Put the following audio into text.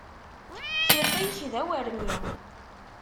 Tiṭ-ik d awermi.